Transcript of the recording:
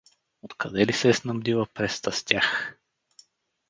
Откъде ли се е снабдила пресата с тях?